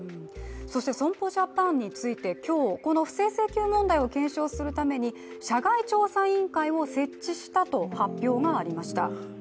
そして損保ジャパンについて今日、この不正請求問題を検証するために社外調査委員会を設置したと発表がありました。